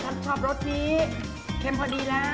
เพราะฉะนั้นถ้าใครอยากทานเปรี้ยวเหมือนโป้แตก